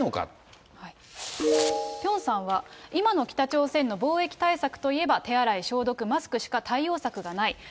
ピョンさんは、今の北朝鮮の防疫対策といえば、手洗い、消毒、マスクしか対応策がない。